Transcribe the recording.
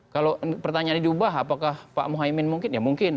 kalau pertanyaannya diubah apakah pak muhaymin mungkin ya mungkin